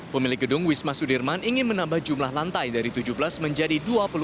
pemilik gedung wisma sudirman ingin menambah jumlah lantai dari tujuh belas menjadi dua puluh empat